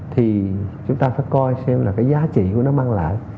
thì chúng ta phải coi xem là cái giá trị của nó mang lại